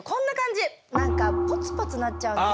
何かポツポツなっちゃうんですよ。